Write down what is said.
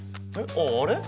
あああれ？